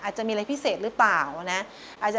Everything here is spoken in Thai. อาจจะมีอะไรพิเศษหรือเปล่านะ